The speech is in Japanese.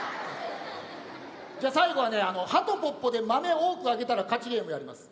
じゃあ最後はね「はとぽっぽ」で豆多くあげたら勝ちゲームやります。